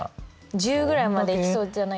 １０ぐらいまで行きそうじゃ。